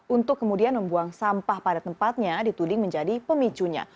untuk kemudian membuang sampah pada tempatnya dituding menjadi pemicunya